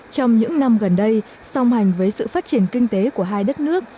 trong những năm gần đây song hành với sự phát triển kinh tế của hai đất nước